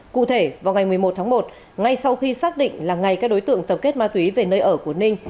cụ thể vào ngày một mươi một tháng một ngay sau khi xác định là ngày các đối tượng tập kết ma túy về nơi ở của ninh